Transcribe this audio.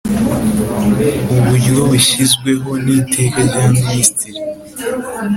uburyo bushyizweho n Iteka rya Minisitiri